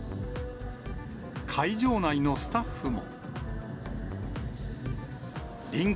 会場内のスタッフも。